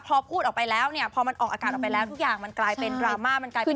พอพูดออกไปแล้วเนี่ยพอมันออกอากาศออกไปแล้วทุกอย่างมันกลายเป็นดราม่ามันกลายเป็น